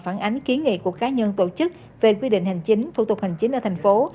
phản ánh ký nghị của cá nhân tổ chức về quy định hành chính thủ tục hành chính ở thành phố